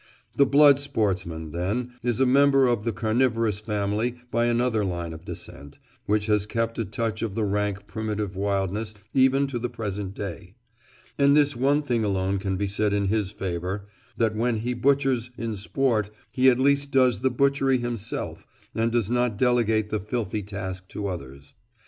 The blood sportsman, then, is a member of the carnivorous family by another line of descent, which has kept a touch of the rank primitive wildness even to the present day; and this one thing alone can be said in his favour, that when he butchers in sport, he at least does the butchery himself, and does not delegate the filthy task to others.